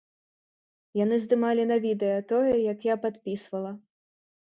Яны здымалі на відэа тое, як я падпісвала.